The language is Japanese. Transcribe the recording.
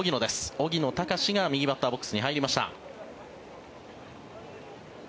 荻野貴司が右バッターボックスに入りました。